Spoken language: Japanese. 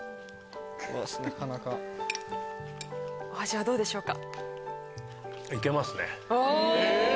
お味はどうでしょうか？